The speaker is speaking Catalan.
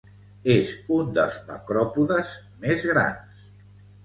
És un dels macròpodes més grans.